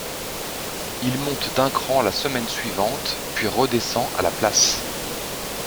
Il monte d'un cran la semaine suivante, puis redescend à la place.